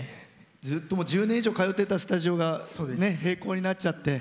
ずっと１０年以上通ってたスタジオが閉校になっちゃって。